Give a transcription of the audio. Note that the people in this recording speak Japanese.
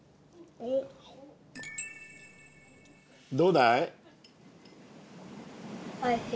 どうだい？